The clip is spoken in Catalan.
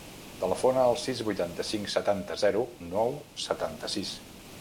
Telefona al sis, vuitanta-cinc, setanta, zero, nou, setanta-sis.